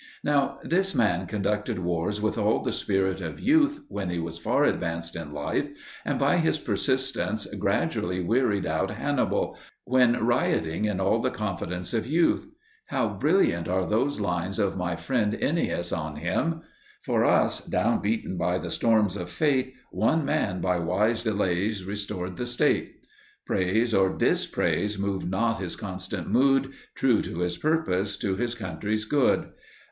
Now this man conducted wars with all the spirit of youth when he was far advanced in life, and by his persistence gradually wearied out Hannibal, when rioting in all the confidence of youth. How brilliant are those lines of my friend Ennius on him! For us, down beaten by the storms of fate, One man by wise delays restored the State. Praise or dispraise moved not his constant mood, True to his purpose, to his country's good!